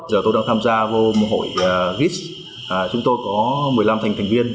giờ tôi đang tham gia một hội gis chúng tôi có một mươi năm thành viên